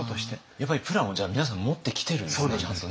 やっぱりプランをじゃあ皆さん持ってきてるんですねちゃんとね。